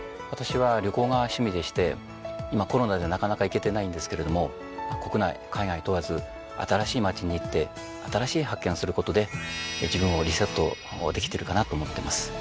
私は旅行が趣味でして今コロナでなかなか行けてないんですけれども国内海外問わず新しい町に行って新しい発見をすることで自分をリセットできてるかなと思ってます。